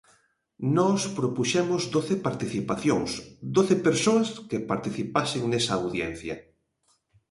Nós propuxemos doce participacións, doce persoas que participasen nesa audiencia.